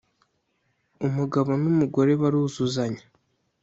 umugabo n’ umugore baruzuzanya.